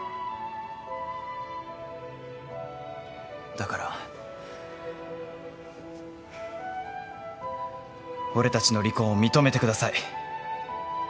だから俺たちの離婚を認めてください。